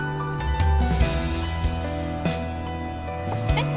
えっ？